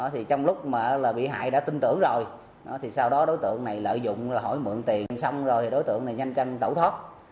trong lúc bị hại đã tin tưởng rồi sau đó đối tượng này lợi dụng hỏi mượn tiền xong rồi đối tượng này nhanh chân tẩu thoát